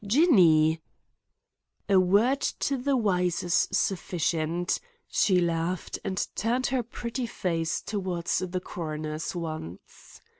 "Jinny!" "A word to the wise is sufficient;" she laughed and turned her pretty face toward the coroner's once.